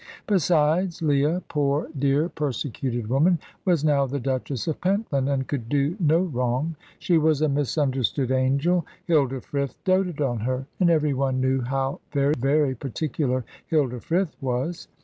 Besides, Leah poor, dear, persecuted woman was now the Duchess of Pentland, and could do no wrong. She was a misunderstood angel. Hilda Frith doted on her, and every one knew how very, very particular Hilda Frith was.